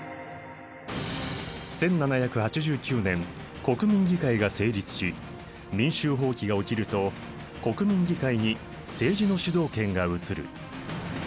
１７８９年国民議会が成立し民衆蜂起が起きると国民議会に政治の主導権が移る。